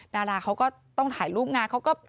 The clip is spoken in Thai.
ดาราเขาก็ต้องถ่ายรูปงานเขาก็